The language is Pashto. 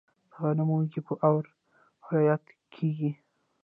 د غنمو وږي په اور وریت کیږي.